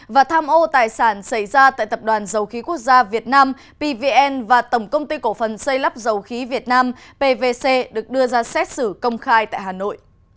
và tham ô tài sản xảy ra tại tập đoàn dầu khí quốc gia việt nam pvn và tổng công ty cổ phần xây lắp dầu khí việt nam pvc được đưa ra xét xử công khai tại hà nội